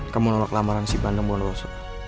kamu menolak lamaran si bandung buandawoso